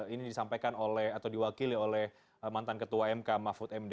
ini disampaikan oleh atau diwakili oleh mantan ketua mk mahfud md